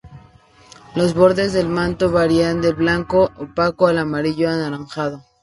Los bordes del manto varían del blanco opaco al amarillo anaranjado.